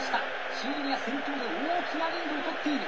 シーギリア先頭で大きなリードを取っている。